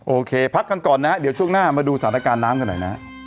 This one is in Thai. พักกันก่อนนะเดี๋ยวช่วงหน้ามาดูสถานการณ์น้ำกันหน่อยนะฮะ